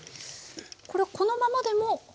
これこのままでも？